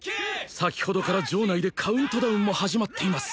先ほどから場内でカウントダウンも始まっています